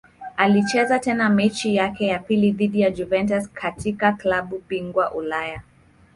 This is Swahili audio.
Alicheza tena mechi yake ya pili dhidi ya Juventus katika klabu bingwa Ulaya.